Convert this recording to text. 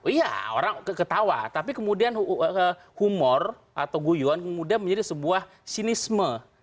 iya orang ketawa tapi kemudian humor atau guyon kemudian menjadi sebuah sinisme